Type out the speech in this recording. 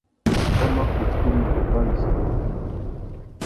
Wa mà kutu mù uba wissangüena.